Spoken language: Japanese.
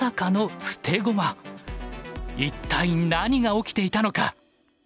一体何が起きていたのか。